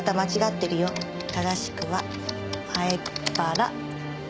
正しくは「まえっぱら」。